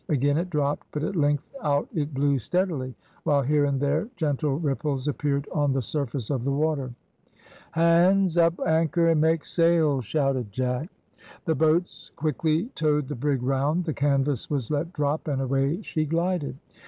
Again it dropped, but at length out it blew steadily, while here and there gentle ripples appeared on the surface of the water. "Hands, up anchor and make sail," shouted Jack. The boats quickly towed the brig round, the canvas was let drop, and away she glided.